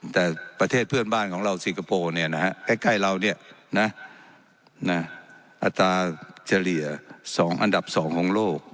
แต่ประเทศเพื่อนบ้านของเราสิงคโปร์ใกล้เราอัตราเฉลี่ย๒อันดับ๒ของโลก